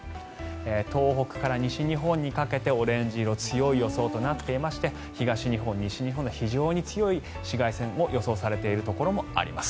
東北から西日本にかけてオレンジ色強い予想となっていまして東日本、西日本の非常に強い紫外線が予想されているところもあります。